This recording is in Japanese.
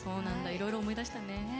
いろいろ思い出したね。